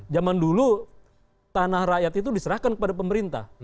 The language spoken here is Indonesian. zaman dulu tanah rakyat itu diserahkan kepada pemerintah